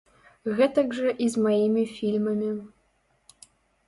Гэтак жа і з маімі фільмамі.